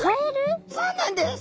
そうなんです。